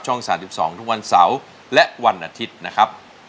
๓๒ทุกวันเสาร์และวันอาทิตย์นะครับ